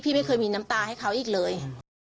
ไม่เคยมีน้ำตาให้เขาอีกเลย